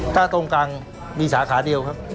ถ้าตรงกลางมีสาขาเดียวครับ